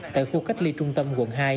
tại khu cách ly trung tâm quận hai